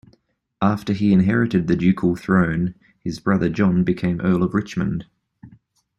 After he inherited the ducal throne, his brother John became Earl of Richmond.